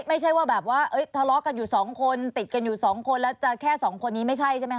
ไม่ใช่ว่าแบบว่าทะเลาะกันอยู่สองคนติดกันอยู่สองคนแล้วจะแค่สองคนนี้ไม่ใช่ใช่ไหมค